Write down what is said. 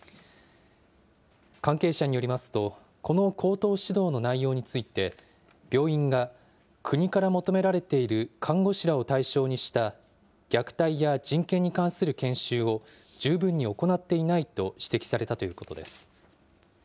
関係者によりますと、この口頭指導の内容について、病院が国から求められている看護師らを対象にした虐待や人権に関する研修を十分に行っていないと指摘されたということです。